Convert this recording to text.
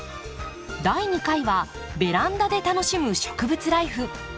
第２回はベランダで楽しむ植物ライフ。